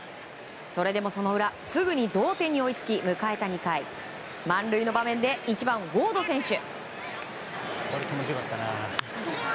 それでもその裏すぐに同点に追いつき迎えた２回、満塁の場面で１番、ウォード選手。